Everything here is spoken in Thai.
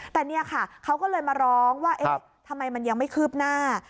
แต่เนี่ยค่ะเขาก็เลยมาร้องว่าเอ๊ะทำไมมันยังไม่คืบหน้า